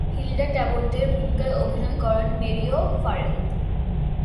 Hilda টেবল্টের ভূমিকায় অভিনয় করেন মেরি ও'ফারেল।